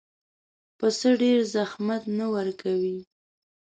پسه ډېر زحمت نه ورکوي.